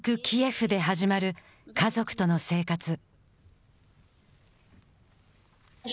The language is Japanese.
キエフで始まる家族との生活。